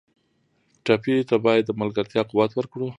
ټپي ته باید د ملګرتیا قوت ورکړو.